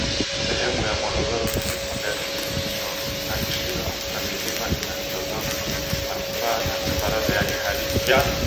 sehemu ya Morogoro Kusini Magharibi Nyiachiro na milima inayotazama Manispaa na tambarare yake hadi